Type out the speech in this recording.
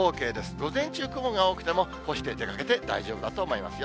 午前中、雲が多くても、干して出かけて大丈夫だと思いますよ。